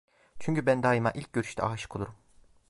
Çünkü ben daima ilk görüşte aşık olurum.